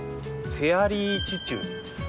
「フェアリーチュチュ」？